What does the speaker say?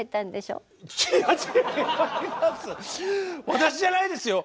私じゃないですよ。